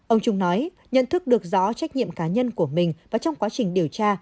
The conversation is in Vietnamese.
ông trung nói nhận thức được rõ trách nhiệm cá nhân của mình và trong quá trình điều tra